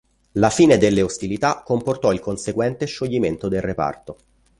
La fine delle ostilità comportò il conseguente scioglimento del reparto.